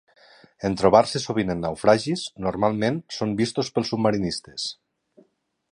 En trobar-se sovint en naufragis, normalment són vistos pels submarinistes.